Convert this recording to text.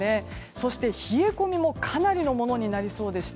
そして、冷え込みもかなりのものになりそうでして